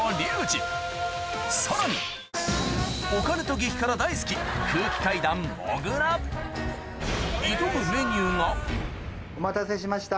さらにお金と激辛大好き挑むメニューがお待たせしました。